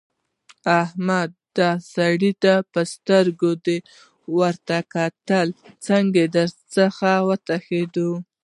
احمده! د سر په سترګو دې ورته کتل؛ څنګه در څخه وتښتېدل؟!